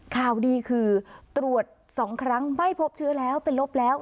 ข่าวดีคือตรวจ๒ครั้งไม่พบเชื้อแล้วเป็นลบแล้ว